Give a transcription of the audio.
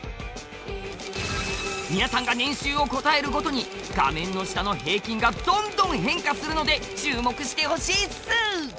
皆さんが年収を答えるごとに画面の下の平均がどんどん変化するので注目してほしいっす。